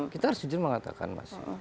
kita harus jujur mengatakan mas